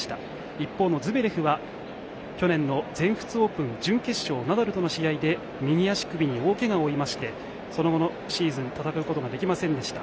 一方のズベレフは去年の全仏オープン準決勝ナダルとの試合で右足首に大けがを負いましてその後のシーズン戦うことができませんでした。